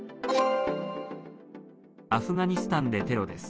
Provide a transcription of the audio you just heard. アフガニスタンでテロです。